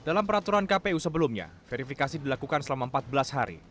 dalam peraturan kpu sebelumnya verifikasi dilakukan selama empat belas hari